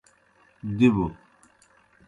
دِبوْ۔